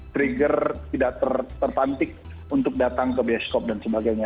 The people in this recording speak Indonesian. trigger tidak tertantik untuk datang ke biaskop dan sebagainya